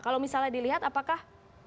kalau misalnya dilihat apakah